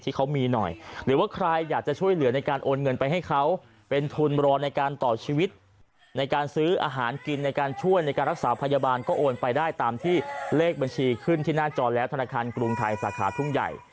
ที่เขามีหน่อยหรือว่าใครอยากจะช่วยเหลือในการโอนเงินไปให้เขาเป็นทุนรอในการต่อชีวิตในการซื้ออาหารกินในการช่วยในการรักษาพยาบาลก็โอนไปได้ตามที่เลขบัญชีขึ้นที่หน้าจอแล้วธนาคารกรุงไทยสาขาทุ่งใหญ่